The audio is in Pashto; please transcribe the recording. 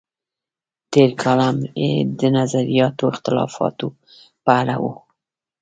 تېر کالم یې د نظریاتي اختلافاتو په اړه و.